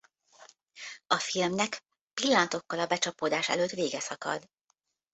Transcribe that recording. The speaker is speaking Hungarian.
A filmnek pillanatokkal a becsapódás előtt vége szakad.